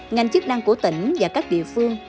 ngành chức năng của tỉnh và các địa phương